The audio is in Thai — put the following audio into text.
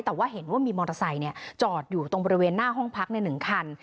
แต่ว่าเห็นว่ามีมอเตอร์ไซค์จอดอยู่ตรงบริเวณหน้าห้องพักใน๑คัน